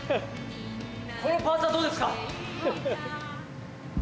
このパーツはどうですか？